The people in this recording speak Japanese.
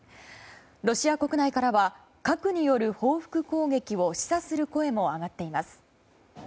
ロシア国内からは核による報復攻撃を示唆する声も上がっています。